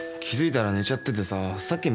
気付いたら寝ちゃっててさ。